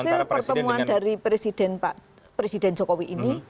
hasil pertemuan dari presiden jokowi ini